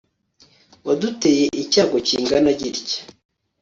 waduteye icyago kingana gitya